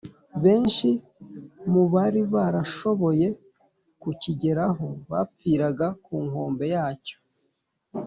. Benshi mu bari barashoboye kukigeraho bapfiraga ku nkombe yacyo